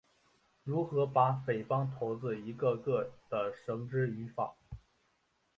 如何把匪帮头子一个个地绳之于法？